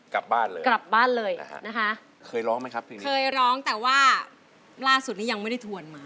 กลับบ้านเลยนะฮะเคยร้องไหมครับพี่นิดนี้เคยร้องแต่ว่าร่าสุดนี้ยังไม่ได้ถวนมา